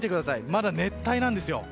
まだ熱帯なんですよ。